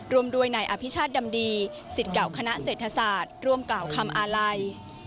ร่วมด้วยนายอภิชาติดำดีสิทธิ์เก่าคณะเศรษฐศาสตร์ร่วมกล่าวคำอาลัย